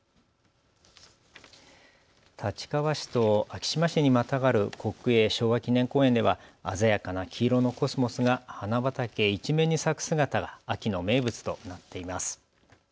立川市と昭島市にまたがる国営昭和記念公園では、鮮やかな黄色のコスモスが花畑一面に咲く姿が秋の名物となっています。